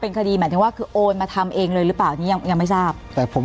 คดีหมายถึงว่าคือโอนมาทำเองเลยหรือเปล่านี้ยังยังไม่ทราบแต่ผม